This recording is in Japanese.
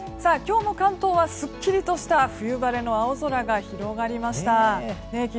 今日も関東はすっきりとした冬晴れの青空が広がりました。